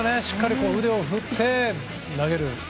しっかり腕を振って投げる。